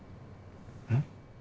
うん？